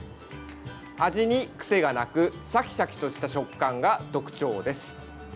味に癖がなくシャキシャキとした食感が特徴です。